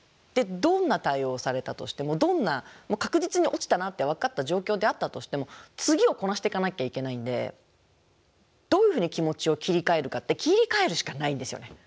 どんな対応をされたとしてもどんな確実に落ちたなって分かった状況であったとしても次をこなしていかなきゃいけないんでどういうふうに気持ちを切り替えるかって切り替えるしかないんですよね。